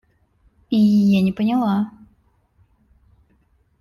Я не поняла.